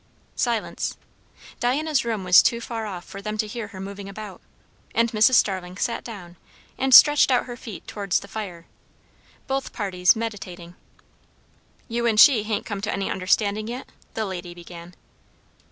Silence. Diana's room was too far off for them to hear her moving about, and Mrs. Starling sat down and stretched out her feet towards the fire. Both parties meditating. "You and she hain't come to any understanding yet?" the lady began.